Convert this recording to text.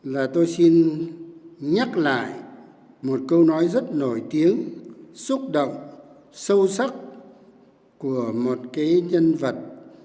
là tôi xin nhắc lại một câu nói rất nổi tiếng xúc động sâu sắc của một cái nhân vật